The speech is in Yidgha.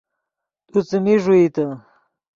تو څیمین ݱوئیتے